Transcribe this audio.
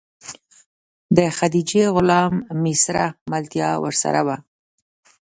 د خدیجې غلام میسره ملتیا ورسره وه.